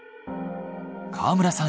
川村さん